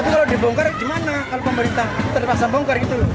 tapi kalau dibongkar gimana kalau pemerintah terpaksa bongkar gitu